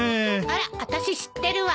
あら私知ってるわよ。